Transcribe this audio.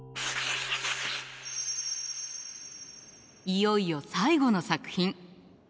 いよいよ最後の作品。